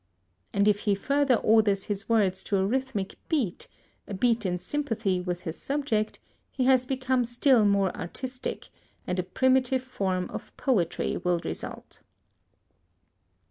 And if he further orders his words to a rhythmic beat, a beat in sympathy with his subject, he has become still more artistic, and a primitive form of poetry will result.